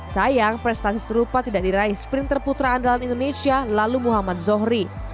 sayang prestasi serupa tidak diraih sprinter putra andalan indonesia lalu muhammad zohri